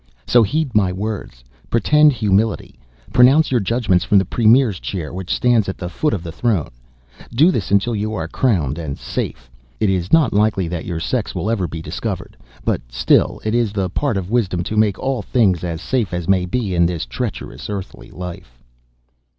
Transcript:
So heed my words. Pretend humility. Pronounce your judgments from the Premier's chair, which stands at the foot of the throne. Do this until you are crowned and safe. It is not likely that your sex will ever be discovered; but still it is the part of wisdom to make all things as safe as may be in this treacherous earthly life."